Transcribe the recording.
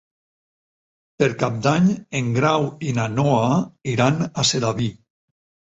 Per Cap d'Any en Grau i na Noa iran a Sedaví.